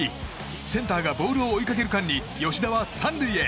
センターがボールを追いかける間に吉田は３塁へ！